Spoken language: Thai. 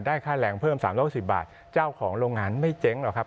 ค่าแรงเพิ่ม๓๖๐บาทเจ้าของโรงงานไม่เจ๊งหรอกครับ